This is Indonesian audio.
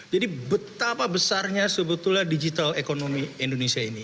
jadi betapa besarnya sebetulnya digital economy indonesia ini